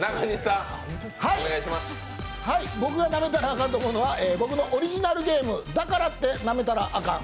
僕がなめたらアカンと思うのは僕のオリジナルゲームだからってなめたらアカン。